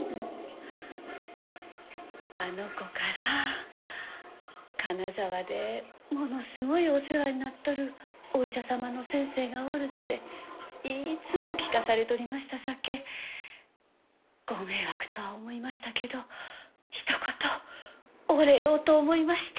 あの子から金沢でものすごいお世話になっとるお医者様の先生がおるっていつも聞かされとりましたさけご迷惑とは思いましたけどひと言お礼をと思いまして。